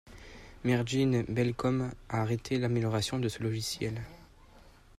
Merijn Bellekom a arrêté l'amélioration de ce logiciel.